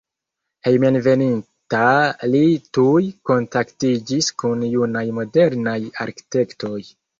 Hejmenveninta li tuj kontaktiĝis kun junaj modernaj arkitektoj.